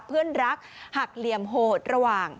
เพื่อนรักหักเหลี่ยมโหดระหว่าง